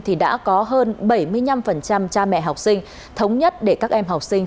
thì đã có hơn bảy mươi năm cha mẹ học sinh thống nhất để các em học sinh